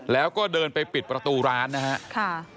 แล้วก็เดินไปปิดประตูร้านนะครับ